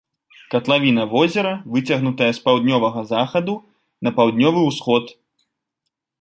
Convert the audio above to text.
Катлавіна возера выцягнутая з паўднёвага захаду на паўднёвы ўсход.